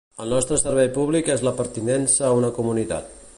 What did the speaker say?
El nostre servei públic és la pertinença a una comunitat.